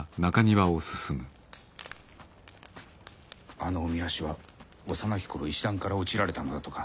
あのおみ足は幼き頃石段から落ちられたのだとか。